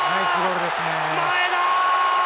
前田！